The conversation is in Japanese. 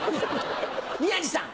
宮治さん。